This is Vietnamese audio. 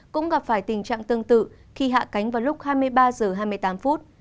cũng gặp phải tình trạng tương tự khi hạ cánh vào lúc hai mươi ba h hai mươi tám phút